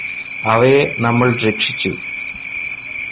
അവയെ നമ്മള് രക്ഷിച്ചു